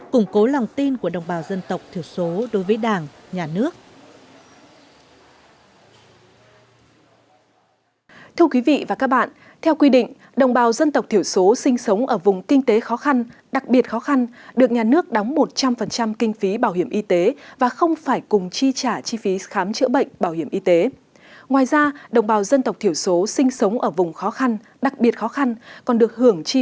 cùng cố lòng tin của đồng bào dân tộc thiểu số đối với đảng nhà nước